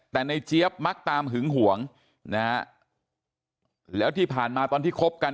แต่ในเจี๊ยบมักตามหึงหวงนะฮะแล้วที่ผ่านมาตอนที่คบกัน